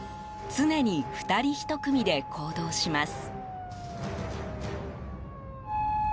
常に２人１組で行動します。